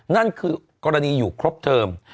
นั่นคือกรณีอยู่ครบเทิม